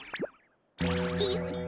よっと。